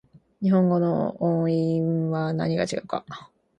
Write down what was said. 日本語の音韻は何が違うか